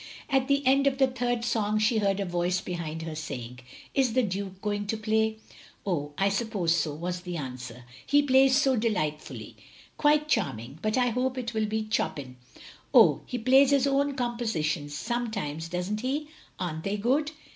At the end of the third song she heard a voice behind her saying, "Is the Duke going to play?" "Oh, I suppose so," was the answer. " He plays so delightfully. " "Quite charming. But I hope it will be Chopin. "" Oh! he plays his own compositions, sometimes, does n't he? Are n't they good?